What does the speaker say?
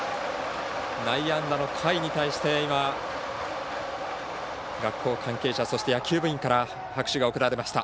内野安打の甲斐に対して学校関係者、そして野球部員から拍手が送られました。